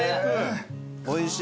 おいしい。